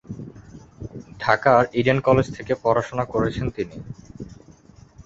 ঢাকার Eden College থেকে পড়াশোনা করেছেন তিনি।